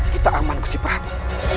kita aman kusti prabu